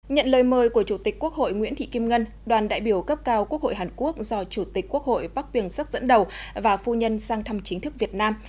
nhận lời mời của chủ tịch quốc hội nguyễn thị kim ngân đoàn đại biểu cấp cao quốc hội hàn quốc do chủ tịch quốc hội bắc biển sắc dẫn đầu và phu nhân sang thăm chính thức việt nam